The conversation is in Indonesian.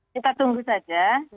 kita tunggu saja